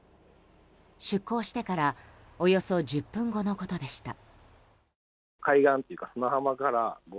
出航してからおよそ１０分後のことでした。